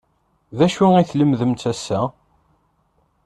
D acu i tlemdemt ass-a?